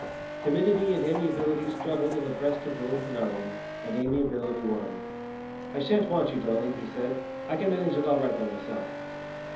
Timidity and amiability struggled in the breast of William Penarden, and amiability won. "I shan't want you, Dolling," he said, "I can manage it all right by myself."